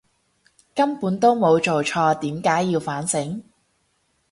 根本都冇做錯，點解要反省！